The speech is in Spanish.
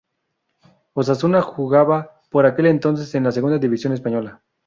Osasuna jugaba por aquel entonces en la Segunda división española.